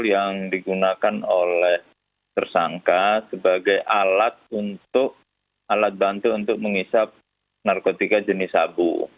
yang digunakan oleh tersangka sebagai alat untuk alat bantu untuk menghisap narkotika jenis sabu